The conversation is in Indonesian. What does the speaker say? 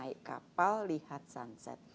lihat kapal lihat sunset